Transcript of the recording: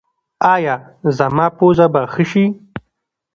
ایا زما پوزه به ښه شي؟